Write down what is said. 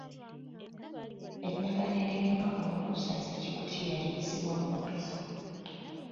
Eddagala erigema Olukusense-Kikutiya liyisibwa mu mpiso.